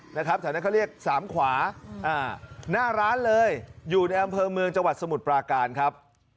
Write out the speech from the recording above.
หน้าร้านเลยอยู่ในอำเภอเมืองจังหวัดสมุดปราการครับ